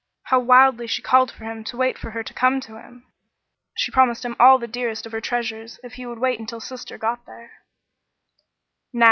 How wildly she called for him to wait for her to come to him! She promised him all the dearest of her treasures if he would wait until "sister" got there.